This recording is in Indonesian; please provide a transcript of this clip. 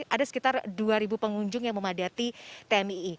ada sekitar dua pengunjung yang memadati tmii